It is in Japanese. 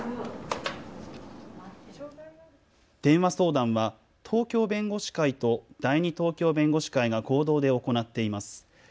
電話相談は東京弁護士会と第二東京弁護士会が合同で行っています。